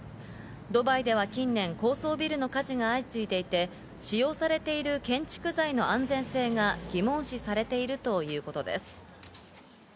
ドバイでは近年、高層ビルの火事が相次いでいて、使用されている建築材の安全性が疑問視されているということです。